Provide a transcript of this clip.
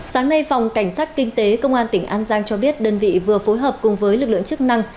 sáng nay phòng cảnh sát kinh tế công an tỉnh an giang cho biết đơn vị vừa phối hợp cùng với lực lượng chức năng